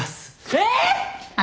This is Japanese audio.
えっ！？